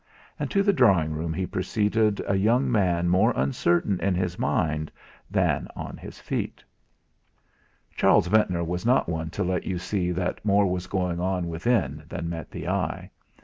And to the drawing room he preceded a young man more uncertain in his mind than on his feet.... Charles Ventnor was not one to let you see that more was going on within than met the eye.